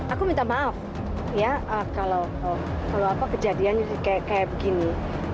aku minta maaf ya kalau apa kejadian kayak begini